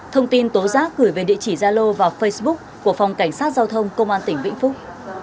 thông tin tố giác gửi về địa chỉ gia lô vào facebook của phòng cảnh sát giao thông công an tỉnh vĩnh phúc